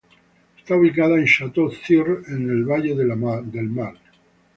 Está ubicada en Château-Thierry en la Valle de la Marne.